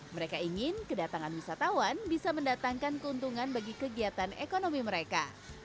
mereka ingin kedatangan wisatawan bisa mendatangkan keuntungan bagi kegiatan ekonomi mereka